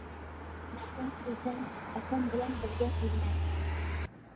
-نەدە تۇرىسەن؟ -ئاكام بىلەن بىرگە تۇرىمەن.